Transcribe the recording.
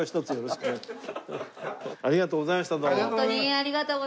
ありがとうございましたどうも。